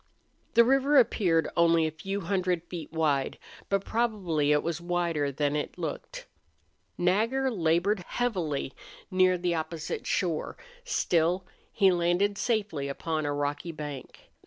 The river appeared only a few hundred feet wide, but probably it was wider than it looked. Nagger labored heavily near the opposite shore; still, he landed safely upon a rocky bank.